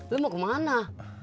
lo mau kemana